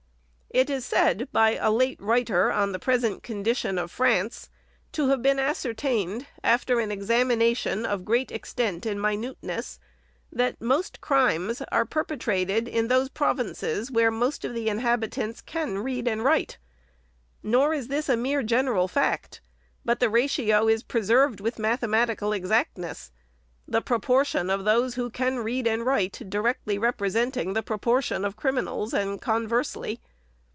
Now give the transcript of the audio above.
It is said, by a late writer on the present condition of France, to have been ascertained, after an examination of great extent and minuteness, that most crimes are per petrated in those provinces where most of the inhabitants can read and write. Nor is this a mere general fact, but the ratio is preserved with mathematical exactness ; the proportion of those who can read and write, directly rep resenting the proportion of criminals, and conversely.